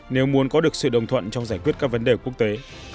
nếu muốn có được sự đồng thuận trong giải quyết các vấn đề quốc tế